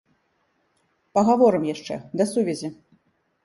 Пагаворым яшчэ, да сувязі!